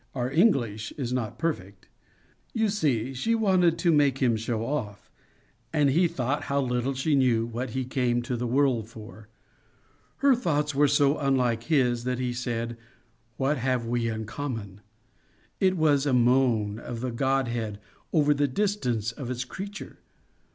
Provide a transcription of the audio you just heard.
"Our English is not perfect. You see she wanted to make him show off, and he thought how little she knew what he came to the world for. Her thoughts were so unlike his that he said, What have we in common! It was a moan of the God head over the distance of its creature.